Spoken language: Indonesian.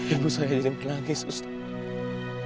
ibu saya jadi melangis ustaz